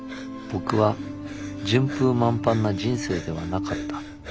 僕は順風満帆な人生ではなかった。